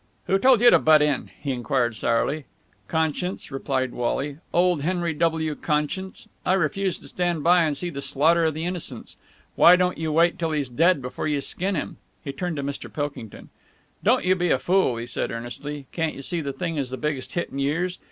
"Who told you to butt in?" he enquired sourly. "Conscience!" replied Wally. "Old Henry W. Conscience! I refuse to stand by and see the slaughter of the innocents. Why don't you wait till he's dead before you skin him!" He turned to Mr. Pilkington. "Don't you be a fool!" he said earnestly. "Can't you see the thing is the biggest hit in years?